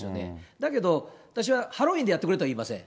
だけど、私はハロウィーンでやってくれとは言いません。